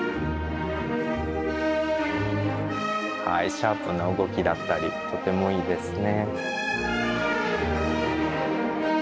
シャープな動きだったりとてもいいですね。